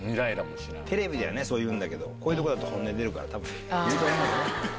テレビではね、そういうこと言うんだけど、こういうとこだと本音出るから、たぶん。